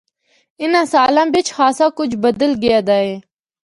اِناں سالاں بچ خاصا کجھ بدل گیا دا اے۔